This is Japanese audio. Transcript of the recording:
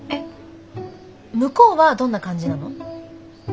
向こうはどんな感じなの？